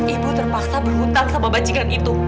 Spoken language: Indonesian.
ibu terpaksa berhutang sama bajikan itu